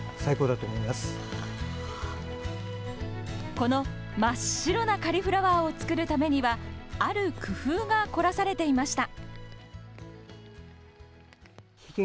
この真っ白なカリフラワーを作るためにはある工夫が凝らされていました。